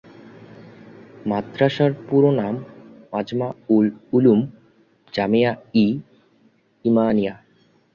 মাদ্রাসার পুরো নাম মাজমা-উল-উলূম, জামিয়া-ই-ইমানিয়া।